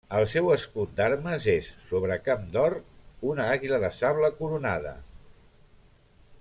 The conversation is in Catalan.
El seu escut d'armes és, sobre camp d'or, una àguila de sable, coronada.